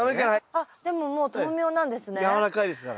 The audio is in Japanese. あっでももう豆苗なんですね。